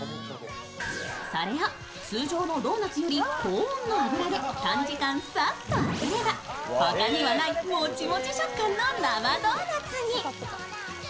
それを通常のドーナツより高温の油で短時間、さっと揚げれば他にはないもちもち食感の生ドーナツに。